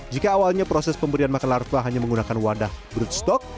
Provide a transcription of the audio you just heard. jika awalnya proses pemberian makan larva hanya menggunakan wadah brutstock